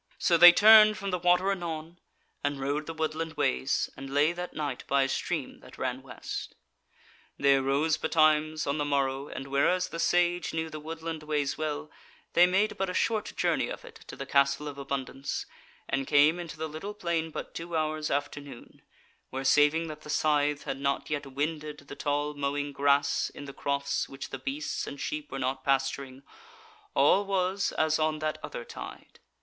So they turned from the water anon, and rode the woodland ways, and lay that night by a stream that ran west. They arose betimes on the morrow, and whereas the Sage knew the woodland ways well, they made but a short journey of it to the Castle of Abundance, and came into the little plain but two hours after noon, where saving that the scythe had not yet wended the tall mowing grass in the crofts which the beasts and sheep were not pasturing, all was as on that other tide.